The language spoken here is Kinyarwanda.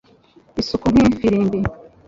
isuku nk'ifirimbi